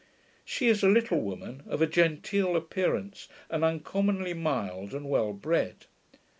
She is a little woman, of a genteel appearance, and uncommonly mild and well bred.